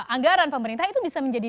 anggaran pemerintah itu bisa menjadi